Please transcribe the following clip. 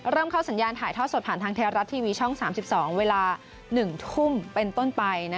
เริ่มเข้าสัญญาณถ่ายทอดสดผ่านทางไทยรัฐทีวีช่อง๓๒เวลา๑ทุ่มเป็นต้นไป